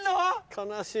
悲しい。